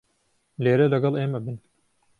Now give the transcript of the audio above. لێرە لەگەڵ ئێمە بن.